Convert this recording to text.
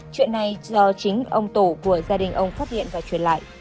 chuyện này do chính ông tổ của gia đình ông phát hiện và truyền lại